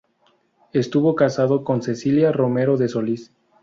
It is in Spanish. Estuvo casado con Cecilia Romero de Solís.